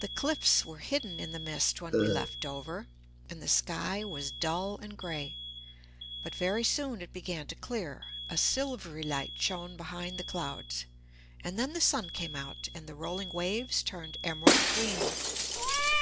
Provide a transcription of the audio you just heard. The cliffs were hidden in the mist when we left Dover, and the sky was dull and grey. But very soon it began to clear; a silvery light shone behind the clouds, and then the sun came out, and the rolling waves turned emerald green.